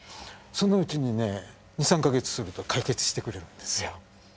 そのうちにね２３か月すると解決してくれるんですよ。